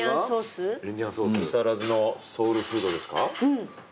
木更津のソウルフードですか。